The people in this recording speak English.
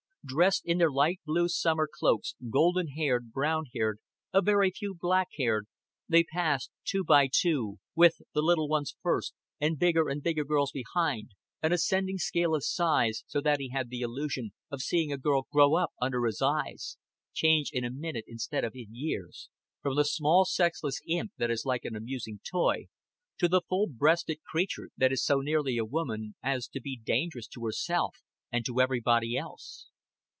Dressed in their light blue summer cloaks, golden haired, brown haired, a very few black haired, they passed two by two, with the little ones first, and bigger and bigger girls behind an ascending scale of size, so that he had the illusion of seeing a girl grow up under his eyes, change in a minute instead of in years from the small sexless imp that is like an amusing toy, to the full breasted creature that is so nearly a woman as to be dangerous to herself and to everybody else.